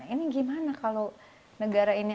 ini gimana kalau negara ini